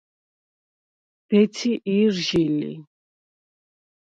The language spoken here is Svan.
დეცი ჲჷრჟი ლი.